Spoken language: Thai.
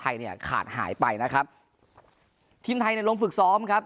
เนี่ยขาดหายไปนะครับทีมไทยเนี่ยลงฝึกซ้อมครับ